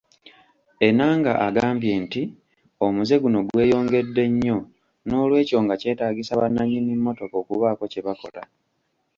Enanga agambye nti omuze guno gweyongedde nnyo noolwekyo nga kyetaagisa bannanyini mmotoka okubaako kye bakola.